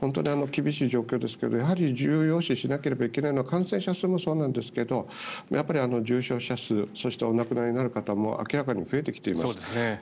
厳しい状況ですが、やはり重要視しなければいけないのは感染者数もそうなんですけどやっぱり重症者数そしてお亡くなりになる方も明らかに増えてきています。